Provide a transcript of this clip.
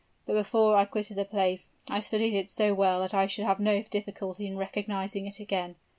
But before I quitted the place, I studied it so well that I should have no difficulty in recognizing it again.